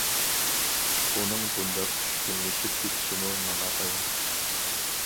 ئۇنىڭ بۇنداق چۈشكۈنلىشىپ كېتىشىمۇ ماڭا ئايان.